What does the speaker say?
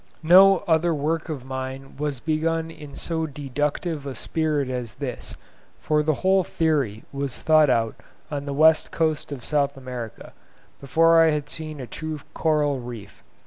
No other work of mine was begun in so deductive a spirit as this, for the whole theory was thought out on the west coast of South America, before I had seen a true coral reef.